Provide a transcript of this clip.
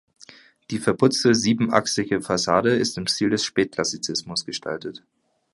Die verputzte siebenachsige Fassade ist im Stil des Spätklassizismus gestaltet.